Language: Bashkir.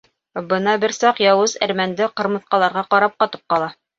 Бына бер саҡ яуыз әрмәнде ҡырмыҫҡаларға ҡарап ҡатып ҡала.